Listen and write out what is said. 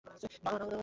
না না না!